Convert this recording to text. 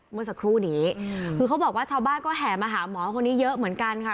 เมื่อสักครู่นี้คือเขาบอกว่าชาวบ้านก็แห่มาหาหมอคนนี้เยอะเหมือนกันค่ะ